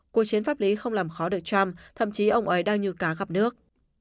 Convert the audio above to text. cuộc chiến pháp lý không làm khó được trump thậm chí ông ấy đang như cá gặp nước